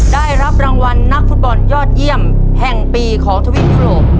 ได้รับรางวัลนักฟุตบอลยอดเยี่ยมแห่งปีของทวีปยุโรป